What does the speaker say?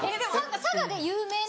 佐賀で有名な？